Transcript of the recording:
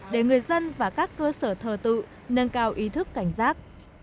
để người dân và các cơ sở thờ tự nâng cao ý thức cảnh giác